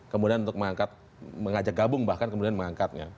kemudian untuk mengajak gabung bahkan kemudian mengangkatnya